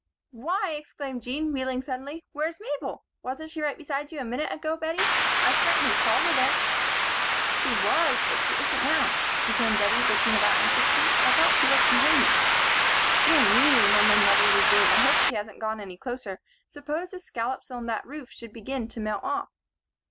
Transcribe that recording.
"Why!" exclaimed Jean, wheeling suddenly. "Where's Mabel? Wasn't she right beside you a minute ago, Bettie? I certainly saw her there." "She was but she isn't now," returned Bettie, looking about anxiously. "I thought she was behind me." "Dear me!" murmured motherly Jean. "I hope she hasn't gone any closer. Suppose the scallops on that roof should begin to melt off."